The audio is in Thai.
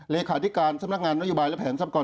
เลขาธิการสำนักงานนโยบายและแผนทรัพกร